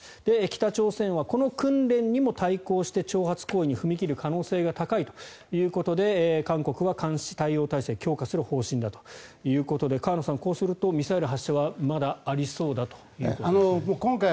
北朝鮮はこの訓練にも対抗して挑発行為に踏み切る可能性が高いということで韓国は監視・対応体制を強化する方針だということで河野さん、こうするとミサイル発射はまだありそうだということですか？